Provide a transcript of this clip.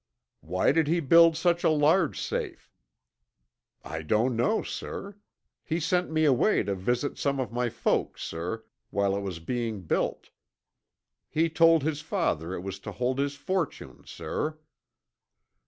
"Why did he build such a large safe?" "I don't know, sir. He sent me away to visit some of my folks, sir, while it was being built. He told his father it was to hold his fortune, sir."